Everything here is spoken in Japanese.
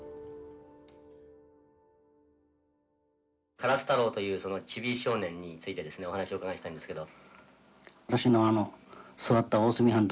・からすたろうというそのちび少年についてですねお話をお伺いしたいんですけど。